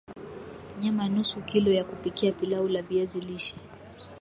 Nyama nusu kilo ya kupikia pilau la viazi lishe